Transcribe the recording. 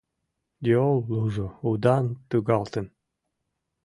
Йол лужо удан тугалтын.